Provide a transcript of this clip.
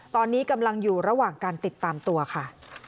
ตอนนี้กำลังอยู่ระหว่างการติดตามตัวค่ะ